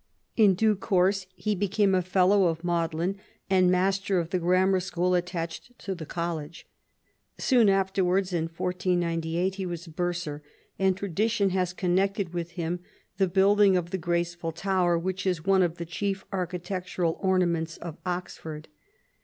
In due course he became a Fellow of Magdalen, and master of the grammar school attached to the College. Soon afterwards, in 1498, he was bursar; and tradition has connected with him the building of the graceful tower which is one of the chief architectural ornaments of Oxford.